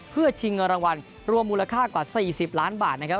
เพื่อชิงเงินรางวัลรวมมูลค่ากว่า๔๐ล้านบาทนะครับ